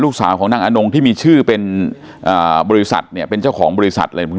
สาวของนางอนงที่มีชื่อเป็นบริษัทเนี่ยเป็นเจ้าของบริษัทอะไร